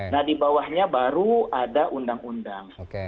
nah di bawahnya baru ada undang undang